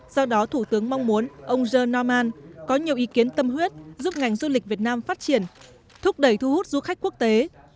do đó thủ tướng mong muốn ông john norman có nhiều ý kiến tâm huyết giúp ngành du lịch việt nam phát triển thúc đẩy thu hút du khách quốc tế